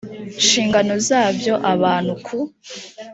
nshingano zabyo abantu ku